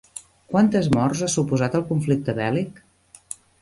Quantes morts ha suposat el conflicte bèl·lic?